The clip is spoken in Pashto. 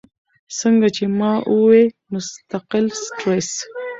څنګه چې ما اووې مستقل سټرېس ،